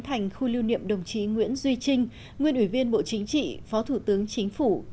thành khu lưu niệm đồng chí nguyễn duy trinh nguyên ủy viên bộ chính trị phó thủ tướng chính phủ